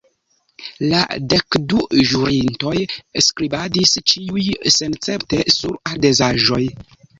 La dekdu ĵurintoj skribadis, ĉiuj senescepte, sur ardezaĵoj.